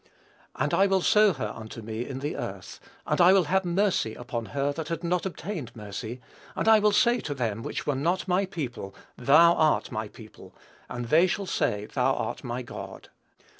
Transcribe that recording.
And I will sow her unto me in the earth; and I will have mercy upon her that had not obtained mercy; and I will say to them which were not my people, Thou art my people; and they shall say, Thou art my God."